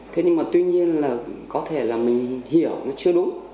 thế nhưng mà tuy nhiên là có thể là mình hiểu nó chưa đúng